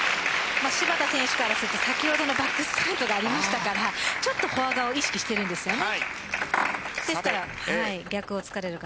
芝田選手からすると先ほどのバックがありましたからちょっとフォア側を意識しているんですよね。